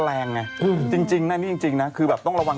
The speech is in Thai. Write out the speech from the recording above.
ถ้ายังงั้นก็อีกนิดนึงแล้วกัน